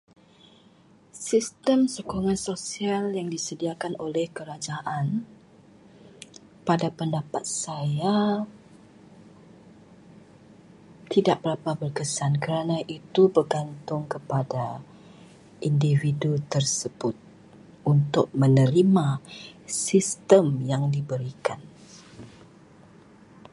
Sistem sekolah sosial yang disediakan oleh kerajaan, pada pendapat saya tidak berapa berkesan kerana itu bergantung kepada individu tersebut untuk menerima sistem yang diberikan.